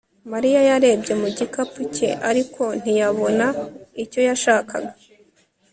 Mariya yarebye mu gikapu cye ariko ntiyabona icyo yashakaga